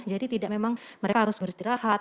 jadi tidak memang mereka harus beristirahat